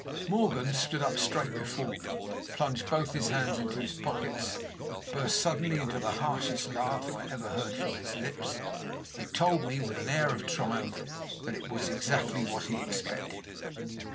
Morgan stood up straight before me, plunged both his hands into his pockets, burst suddenly into the harshest laugh I ever heard from his lips, and told me, with an air of triumph, that it was exactly what he expected.